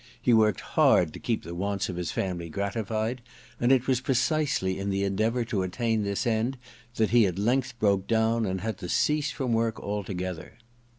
He worked hard to keep the wants of his family gratified, and it was precisely in the endeavour to attain this end that he at length broke down and had to cease from work altogether.